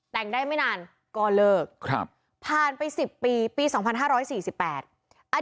แต่งได้ไม่นานก็เลิกครับผ่านไปสิบปีปีสองพันห้าร้อยสี่สิบแปดอ่ะ